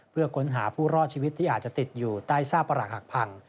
เพื่อค้นหาผู้รอดชีวิตที่อาจจะติดอยู่ใต้ซากประหลักหักพัง